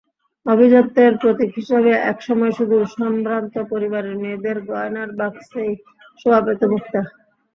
আভিজাত্যের প্রতীক হিসেবে একসময় শুধু সম্ভ্রান্ত পরিবারের মেয়েদের গয়নার বাক্সেই শোভা পেত মুক্তা।